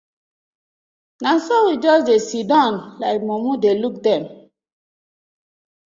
Na so we just dey siddon like mumu dey look dem.